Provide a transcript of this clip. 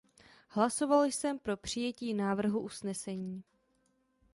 Hlasoval jsem pro přijetí návrhu usnesení.